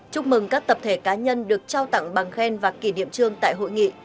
chúc mừng các tập thể cá nhân được trao tặng bằng khen và kỷ niệm trương tại hội nghị